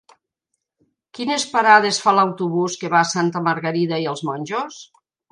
Quines parades fa l'autobús que va a Santa Margarida i els Monjos?